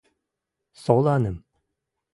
Соланым.